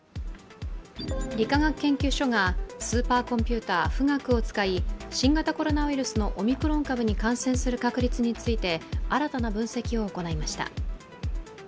理化学研究所がスーパーコンピューター富岳を使い新型コロナウイルスのオミクロン株に感染する確率について新たな分析を行いました。